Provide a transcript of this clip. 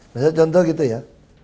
misalnya contoh gitu ya